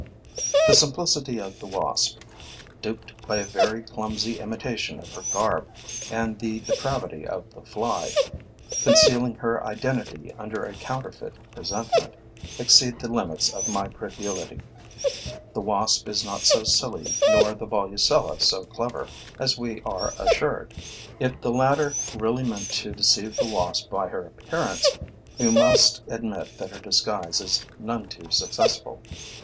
The simplicity of the wasp, duped by a very clumsy imitation of her garb, and the depravity of the fly, concealing her identity under a counterfeit presentment, exceed the limits of my credulity. The wasp is not so silly nor the Volucella so clever as we are assured. If the latter really meant to deceive the Wasp by her appearance, we must admit that her disguise is none too successful.